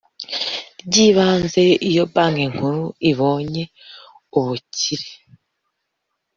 ry ibanze Iyo Banki Nkuru ibonye ubukire